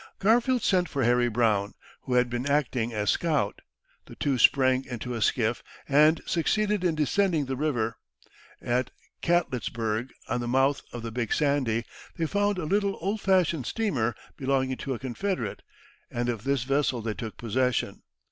Garfield sent for Harry Brown, who had been acting as scout. The two sprang into a skiff, and succeeded in descending the river. At Catletsburg, on the mouth of the Big Sandy, they found a little old fashioned steamer belonging to a Confederate, and of this vessel they took possession.